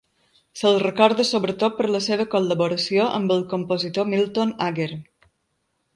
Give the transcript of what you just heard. Se"l recorda sobretot per la seva col·laboració amb el compositor Milton Ager.